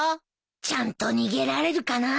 ちゃんと逃げられるかな？